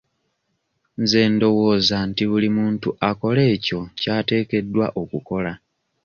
Nze ndowooza nti buli muntu akole ekyo ky'ateekeddwa okukola.